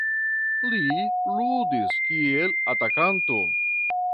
Li ludis kiel atakanto.